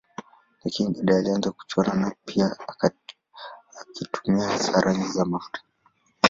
Lakini baadaye alianza kuchora pia akitumia hasa rangi za mafuta.